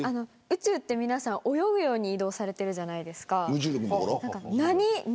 宇宙って泳ぐように移動されているじゃないですか。